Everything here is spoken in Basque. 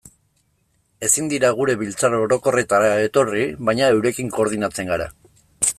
Ezin dira gure biltzar orokorretara etorri, baina eurekin koordinatzen gara.